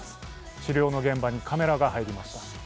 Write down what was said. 治療の現場にカメラが入りました。